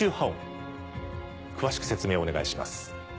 詳しく説明をお願いします。